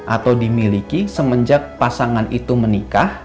atau dimiliki semenjak pasangan itu menikah